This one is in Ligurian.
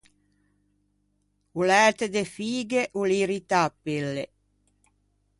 O læte de fighe o l’irrita a pelle.